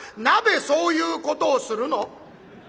「鍋そういうことをするの？」。